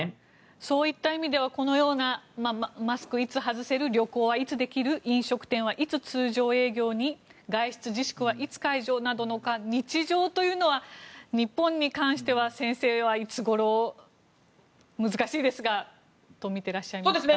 そういった意味ではこういったマスク、いつ外せる旅行はいつできる飲食店はいつ通常営業に外出自粛はいつ解除？などの日常というのは日本に関しては先生はいつごろ難しいですがどう見ていますか？